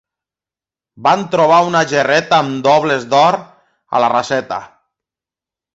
Van trobar una gerreta amb dobles d'or a la raseta.